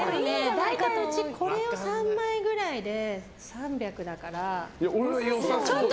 大体うち、これを３枚くらいで３００だから。